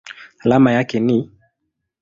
Alama yake ni Ni.